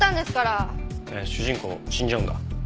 へえー主人公死んじゃうんだ。